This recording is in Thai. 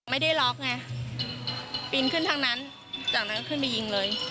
ไม่ได้ล็อกไงปีนขึ้นทางนั้นจากนั้นก็ขึ้นไปยิงเลย